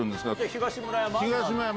東村山？